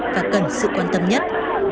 và cần sự quan tâm nhất